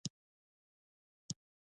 پسه د الهی عبادت برخه ګرځي.